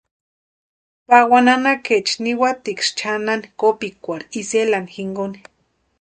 Pawani nanakaecha niwatiksï chʼanani kopikwarhu Isela jinkoni.